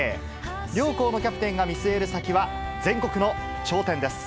両校のキャプテンが見据える先は、全国の頂点です。